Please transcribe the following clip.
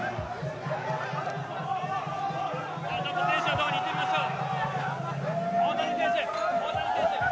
選手のところに行ってみましょう。